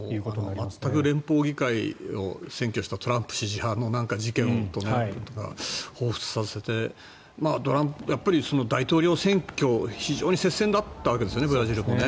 全く連邦議会を占拠したトランプ支持派の事件をほうふつとさせてやっぱり大統領選挙非常に接戦だったわけですよねブラジルもね。